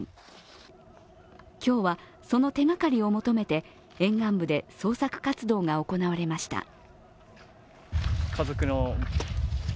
今日は、その手がかりを求めて沿岸部で捜索活動が行われました。